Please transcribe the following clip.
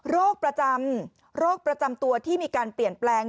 โรคประจำโรคประจำตัวที่มีการเปลี่ยนแปลง